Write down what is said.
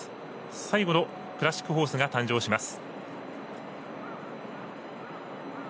最後のクラシックホースが誕生します。